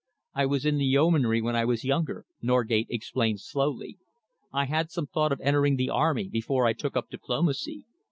"I was in the Yeomanry when I was younger," Norgate explained slowly. "I had some thought of entering the army before I took up diplomacy.